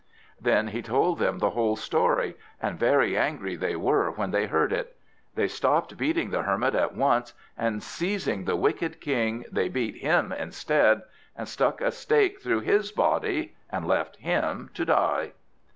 Then he told them the whole story, and very angry they were when they heard it. They stopped beating the Hermit at once, and seizing the Wicked King, they beat him instead, and stuck a stake through his body, and left him to die.